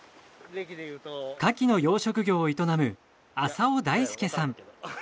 カキの養殖業を営む浅尾大輔さん。